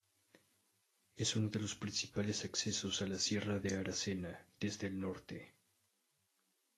Es uno de los principales accesos a la Sierra de Aracena desde el norte.